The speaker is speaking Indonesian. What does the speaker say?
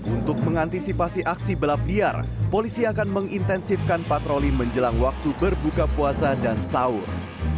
untuk mengantisipasi aksi balap liar polisi akan mengintensifkan patroli menjelang waktu berbuka puasa dan sahur